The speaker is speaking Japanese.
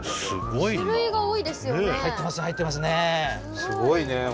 すごいな。